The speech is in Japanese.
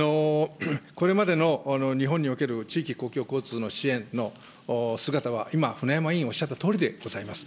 これまでの日本における地域公共交通の支援の姿は今、舟山委員、おっしゃったとおりでございます。